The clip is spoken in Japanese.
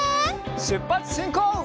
しゅっぱつしんこう！